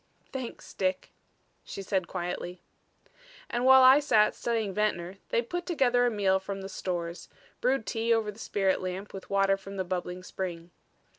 "Thanks Dick," she said quietly. And while I sat studying Ventnor, they put together a meal from the stores, brewed tea over the spirit lamp with water from the bubbling spring.